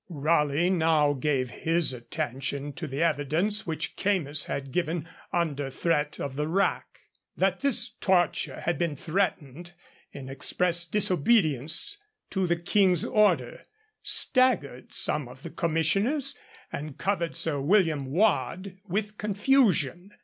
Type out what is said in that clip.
Raleigh now gave his attention to the evidence which Keymis had given under threat of the rack. That this torture had been threatened, in express disobedience to the King's order, staggered some of the commissioners, and covered Sir William Waad with confusion.